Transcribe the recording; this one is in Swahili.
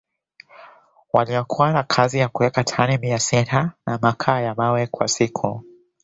waliokuwa na kazi ya kuweka tani mia sita za makaa ya mawe kwa siku